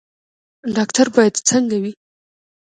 ډاکټر باید څنګه وي؟